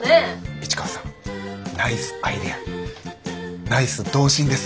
市川さんナイスアイデアナイス童心です。